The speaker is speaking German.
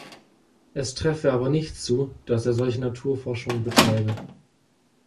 Es treffe aber nicht zu, dass er solche Naturforschung betreibe.